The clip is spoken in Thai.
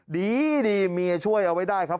ดีเมียช่วยเอาไว้ได้ครับ